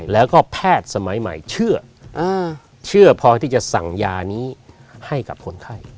แล้วก็แพทย์สมัยใหม่เชื่อเชื่อพอที่จะสั่งยานี้ให้กับคนไข้